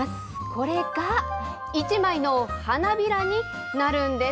これが１枚の花びらになるんです。